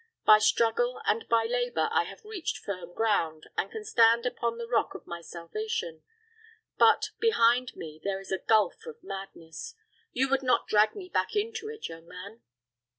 By struggle and by labor I have reached firm ground, and can stand upon the rock of my salvation; but behind me there is a gulf of madness You would not drag me back into it, young man?"